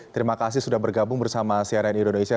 terima kasih sudah bergabung bersama cnn indonesia